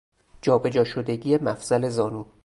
جا به جا شدگی مفصل زانو